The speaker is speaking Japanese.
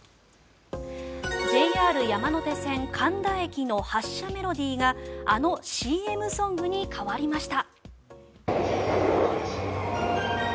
ＪＲ山手線神田駅の発車メロディーがあのＣＭソングに変わりました。